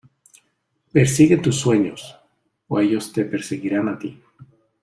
Persigue tus sueños o ellos te perseguirán a ti